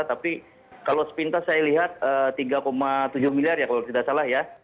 tapi kalau sepintas saya lihat tiga tujuh miliar ya kalau tidak salah ya